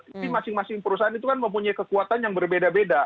ini masing masing perusahaan itu kan mempunyai kekuatan yang berbeda beda